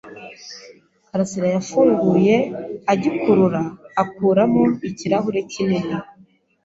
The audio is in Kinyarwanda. Karasirayafunguye igikurura akuramo ikirahure kinini.